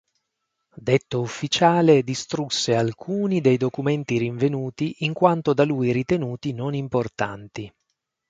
Detto ufficiale distrusse alcuni dei documenti rinvenuti in quanto da lui ritenuti non importanti.